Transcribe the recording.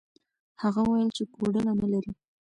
هغه وویل چې کوډله نه لري.